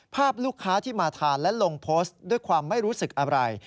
ภาพลูกค้าที่มาทานและลงโพสต์ด้วยความไม่รู้สึกอะไร